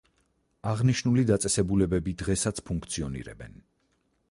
აღნიშნული დაწესებულებები დღესაც ფუნქციონირებენ.